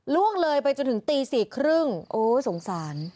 ล่วงเลยไปจนถึงตีสี่ครึ่งโอ้ยสงสาร